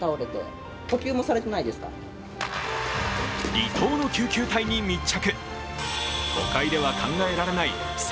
離島の救急隊に密着。